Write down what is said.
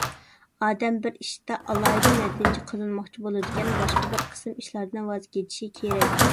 ئادەم بىر ئىشتا ئالاھىدە نەتىجە قازانماقچى بولىدىكەن، باشقا بىر قىسىم ئىشلاردىن ۋاز كېچىشى كېرەك.